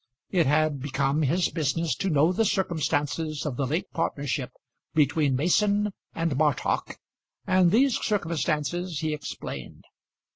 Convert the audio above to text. It had become his business to know the circumstances of the late partnership between Mason and Martock, and these circumstances he explained.